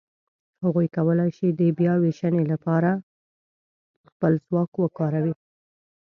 هغوی کولای شي د بیاوېشنې لهپاره خپل ځواک وکاروي.